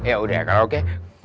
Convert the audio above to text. yaudah kalau oke